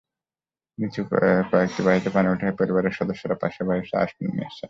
নিচু কয়েকটি বাড়িতে পানি ওঠায় পরিবারের সদস্যরা পাশের বাড়িতে আশ্রয় নিয়েছেন।